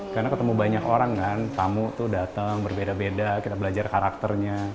karena ketemu banyak orang kan tamu tuh datang berbeda beda kita belajar karakternya